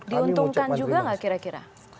diuntungkan juga nggak kira kira